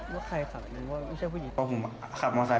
ว่าใครขับหรือว่าไม่ใช่ผู้หญิง